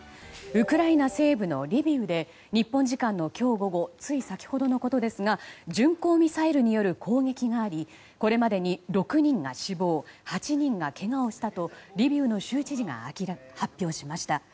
ウクライナ西部のリビウで日本時間の今日午後つい先ほどのことですが巡航ミサイルによる攻撃がありこれまでに６人が死亡８人がけがをしたとリビウの州知事が発表しました。